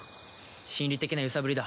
心理的な揺さぶりだ。